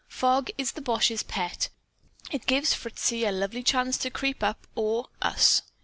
Fog is the boche's pet. It gives Fritzy a lovely chance to creep up or, us.